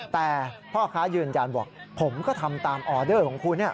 แต่พ่อค้ายืนยันบอกผมก็ทำตามออเดอร์ของคุณ